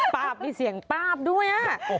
ปาบมีเสียงป้าบด้วย